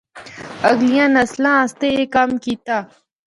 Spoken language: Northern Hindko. اگلیاں نسلاں اسطے اے کم کیتا۔